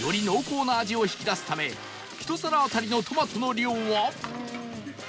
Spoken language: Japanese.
濃厚な味を引き出すため１皿当たりのトマトの量は